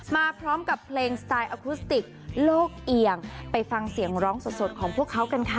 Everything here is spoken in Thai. มาพร้อมกับเพลงสไตล์อคุสติกโลกเอียงไปฟังเสียงร้องสดของพวกเขากันค่ะ